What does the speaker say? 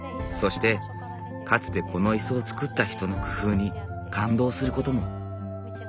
そしてかつてこの椅子を作った人の工夫に感動することも。